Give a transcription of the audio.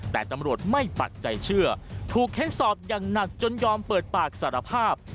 แต่ตำรวจไม่ปักใจเชื่อถูกเค้นสอบอย่างหนักจนยอมเปิดปากสารภาพ